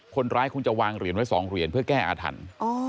คนร้ายคงจะวางเหรียญไว้๒เหรียญเพื่อแก้อาถรรพ์